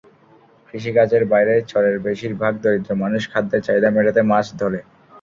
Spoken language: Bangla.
কৃষিকাজের বাইরে চরের বেশির ভাগ দরিদ্র মানুষ খাদ্যের চাহিদা মেটাতে মাছ ধরে।